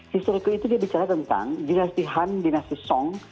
historical itu dia bicara tentang dinasti han dinasti song